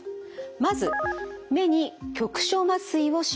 まず目に局所麻酔をします。